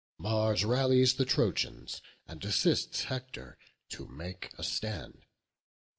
Mars rallies the Trojans, and assists Hector to make a stand.